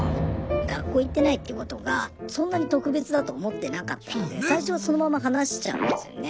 学校行ってないっていうことがそんなに特別だと思ってなかったんで最初はそのまま話しちゃうんですよね。